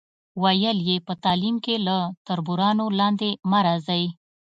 ویل یې، په تعلیم کې له تربورانو لاندې مه راځئ.